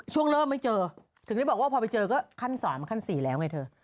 ช่วงเริ่มไม่เจอถึงได้บอกว่าพอไปเจอก็ขั้น๓ขั้น๔แล้วไงเธอ